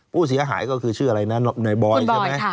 ผู้เสียหายก็คือชื่ออะไรนะในบอยใช่ไหม